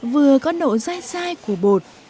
vừa có nỗ dai dai của bột